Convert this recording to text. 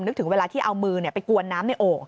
นึกถึงเวลาที่เอามือไปกวนน้ำในโอ่ง